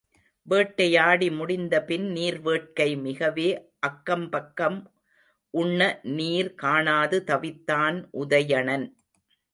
வேட்டையாடி முடிந்தபின் நீர் வேட்கை மிகவே அக்கம் பக்கம் உண்ண நீர் காணாது தவித்தான் உதயணன்.